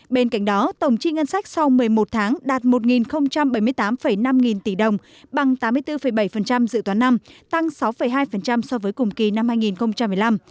bên cạnh đó tổng chi ngân sách sau một mươi một tháng đạt một bảy mươi tám năm nghìn tỷ đồng bằng tám mươi bốn bảy dự toán năm tăng sáu hai so với cùng kỳ năm hai nghìn một mươi năm